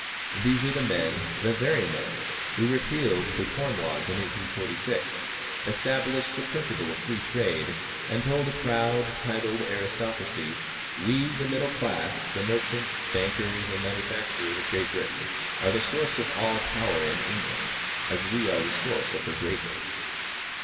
These are the men, the very men, who repealed the Corn Laws in 1846, established the principle of Free Trade, and told a proud, titled aristocracy "We, the middle class, the merchants, bankers, and manufacturers of Great Britain, are the source of all power in England, as we are the source of her greatness."